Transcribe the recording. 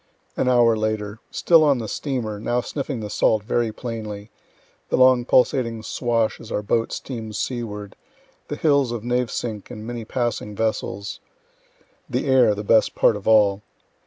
An hour later Still on the steamer, now sniffing the salt very plainly the long pulsating swash as our boat steams seaward the hills of Navesink and many passing vessels the air the best part of all.